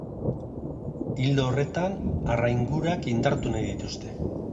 Ildo horretan, harraingurak indartu nahi dituzte.